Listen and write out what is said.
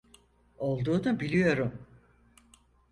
Olduğunu biliyorum.